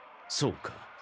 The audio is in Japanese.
そうか。